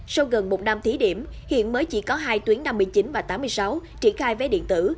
sau gần một năm thí điểm hiện mới chỉ có hai tuyến năm mươi chín và tám mươi sáu triển khai vé điện tử